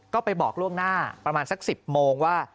ก็ไปบอกล่วงหน้าประมาณสัก๑๐โมงว่า